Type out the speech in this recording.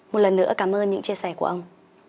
một lần nữa cảm ơn những chia sẻ của ông